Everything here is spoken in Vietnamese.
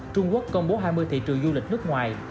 trung quốc công bố hai mươi thị trường du lịch nước ngoài